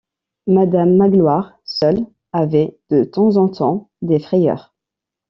Madame Magloire seule avait de temps en temps des frayeurs.